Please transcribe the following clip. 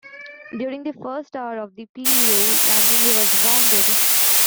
During the first hour of the Peleliu landing he was wounded.